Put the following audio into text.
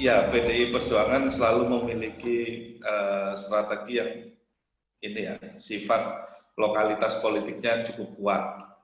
ya pdi perjuangan selalu memiliki strategi yang ini ya sifat lokalitas politiknya cukup kuat